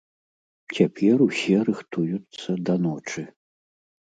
Цяпер усе рыхтуюцца да ночы.